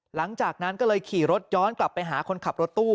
หลังจากนั้นก็เลยขี่รถย้อนกลับไปหาคนขับรถตู้